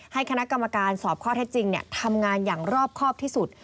คณะกรรมการสอบข้อเท็จจริงทำงานอย่างรอบครอบที่สุด